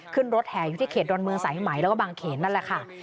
ขึ้นรถแห่อยู่ที่เขตดอนเมืองสายไหมแล้วก็บางเขนนั่นแหละค่ะ